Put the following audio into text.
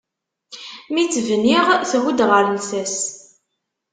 Mi tt-bniɣ, thudd ɣer llsas.